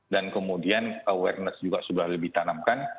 dan kemudian awareness juga sudah lebih tanamkan